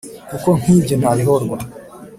kuko nk ' ibyo ntabihorwa